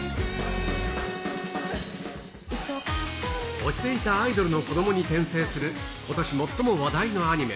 推していたアイドルの子どもに転生することし最も話題のアニメ。